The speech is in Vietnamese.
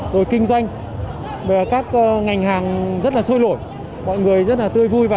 rồi kinh doanh các ngành hàng rất là sôi lổi